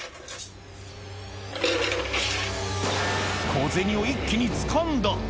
小銭を一気につかんだ。